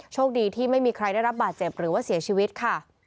โชคดีที่ไม่มีใครได้รับบาดเจ็บหรือว่าเสียชีวิตค่ะ